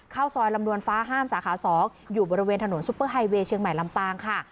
เข้าซอยลำดวนฟ้าห้ามสาขา๒อยู่บริเวณถนนซุปเปอร์ไฮเวย์เชียงใหม่ลำปางค่ะ